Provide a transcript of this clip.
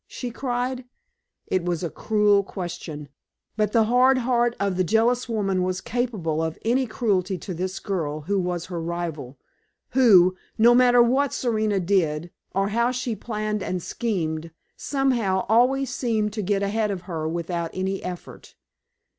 she cried. It was a cruel question, but the hard heart of the jealous woman was capable of any cruelty to this girl who was her rival who, no matter what Serena did, or how she planned and schemed, somehow always seemed to get ahead of her without an effort.